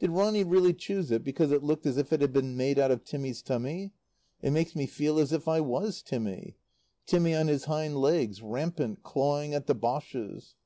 Did Ronny really choose it because it "looked as if it had been made out of Timmy's tummy?" It makes me feel as if I was Timmy. Timmy on his hind legs, rampant, clawing at the Boches.